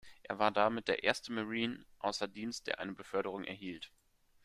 Er war damit der erste Marine außer Dienst, der eine Beförderung erhielt.